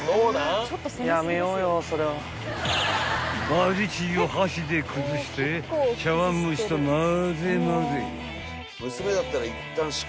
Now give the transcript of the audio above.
［バジチーを箸で崩して茶碗蒸しとまぜまぜ］